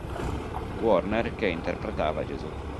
Warner che interpretava Gesù.